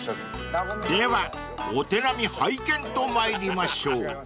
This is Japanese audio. ［ではお手並み拝見とまいりましょう］